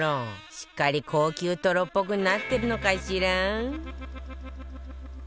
しっかり高級トロっぽくなってるのかしら？